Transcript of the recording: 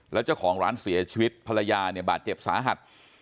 แล้วเจ้าของร้านเสียชีวิตภรรยาเนี่ยบาดเจ็บสาหัส